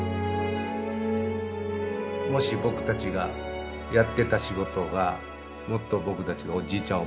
もし僕たちがやってた仕事がもっと僕たちがおじいちゃん